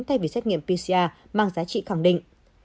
thay vì xét nghiệm pcr mang giá trị khẳng định